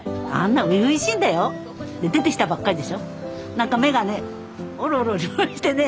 何か目がねオロオロしてね。